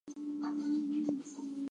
Its meaning is "mother" or "breastfeeder".